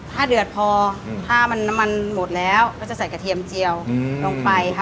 ถ้าเดือดพอผ้ามันน้ำมันหมดแล้วก็จะใส่กระเทียมเจียวลงไปค่ะ